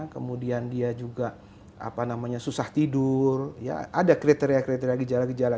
kemudian dia juga susah tidur ada kriteria kriteria gejala gejala